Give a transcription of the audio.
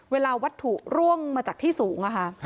เวลาวัตถุร่วงมาจากที่สูง